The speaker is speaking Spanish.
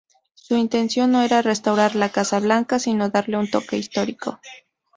Su intención no era restaurar la Casa Blanca, sino darle un toque histórico.